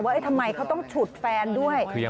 ทำไมเขาต้องฉุดแฟนด้วย